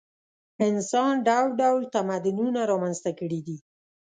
انسان ډول ډول تمدنونه رامنځته کړي دي.